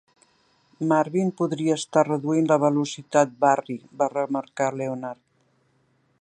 "Marvin podria estar reduint la velocitat, Barry" va remarcar Leonard.